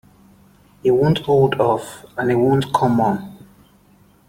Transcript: He won't hold off, and he won't come on.